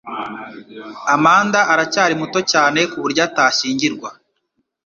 Amanda aracyari muto cyane kuburyo atashyingirwa